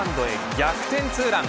逆転ツーラン。